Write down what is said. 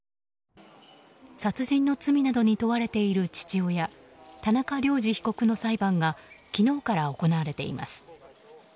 殺人の罪などに問われている父親田中涼二被告の裁判は昨日から行われています。